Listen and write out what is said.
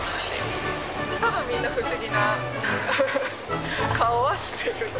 多分みんな不思議な顔はしてる。